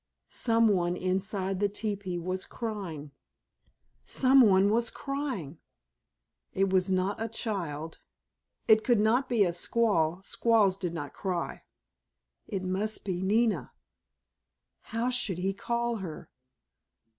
Some one inside the teepee was crying. Some one was crying! It was not a child—it could not be a squaw— squaws did not cry—it must be Nina! How should he call her?